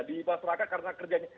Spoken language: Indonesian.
di masyarakat karena kerjanya